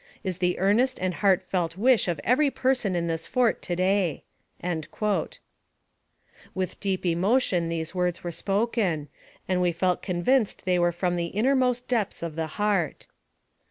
is the earnest and heartfelt wish of every person in this fort to day/' "With deep emotion these words were spoken, and we felt convinced they were from the innermost depths of the heart.